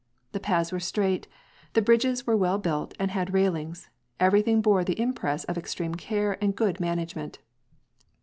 The paths were straight, the bridges were well built and had railings. Everything bore the impress of ex treme care and good management.